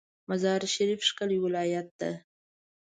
مزار شریف ښکلی ولایت ده